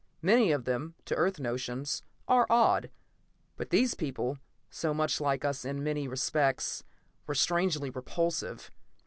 Many of them, to Earth notions, are odd. But these people, so much like us in many respects, were strangely repulsive.